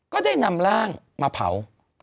ก็ได้นำร่างมาเผา